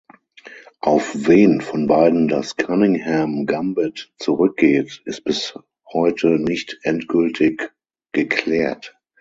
Auf wen von beiden das Cunningham-Gambit zurückgeht, ist bis heute nicht endgültig geklärt.